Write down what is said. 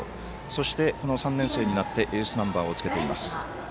そして、３年生になってエースナンバーをつけています。